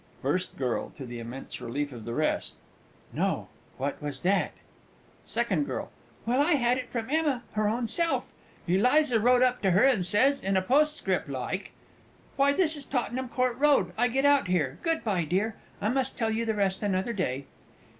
FIRST GIRL (to the immense relief of the rest). No, what was that? SECOND GIRL. Well, I had it from Emma her own self. Eliza wrote up to her and says, in a postscript like, Why, this is Tottenham Court Road, I get out here. Good bye, dear, I must tell you the rest another day.